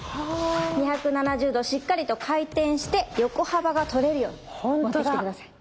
２７０度しっかりと回転して横幅がとれるようにもってきて下さい。